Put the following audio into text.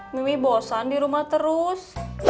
mimi bosan di rumah terus